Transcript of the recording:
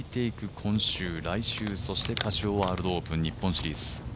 今週、来週、そしてカシオワールドオープン、日本シリーズ。